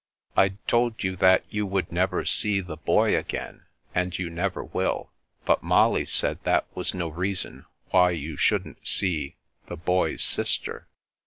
I'd told you that you Jivould never see the Boy again, and you never will ; but Molly said that was no reason why you shouldn't see the Boy's sister.